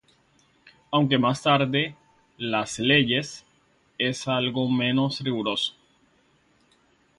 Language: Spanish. Aunque más tarde, en "las Leyes", es algo menos riguroso.